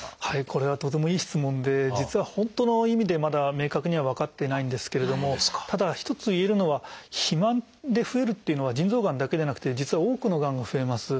これはとてもいい質問で実は本当の意味でまだ明確には分かってないんですけれどもただ一ついえるのは肥満で増えるというのは腎臓がんだけじゃなくて実は多くのがんが増えます。